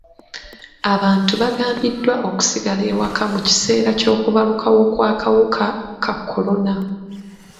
Abantu bagambiddwa okusigala ewaka mu kiseera ky'okubalukawo kw'akawuka ka kolona.